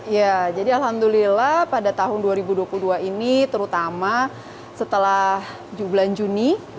ya jadi alhamdulillah pada tahun dua ribu dua puluh dua ini terutama setelah bulan juni